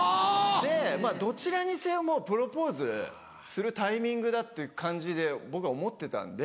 でどちらにせよもうプロポーズするタイミングだっていう感じで僕は思ってたんで。